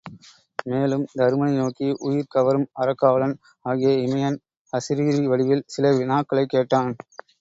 மேலும் தருமனை நோக்கி உயிர் கவரும் அறக் காவலன் ஆகிய இயமன் அசரீரி வடிவில் சில வினாக்களைக் கேட்டான்.